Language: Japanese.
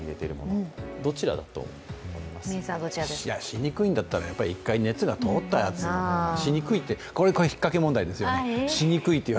しにくいんだったら１回熱が通った方がしにくいって、これ、引っかけ問題ですよね。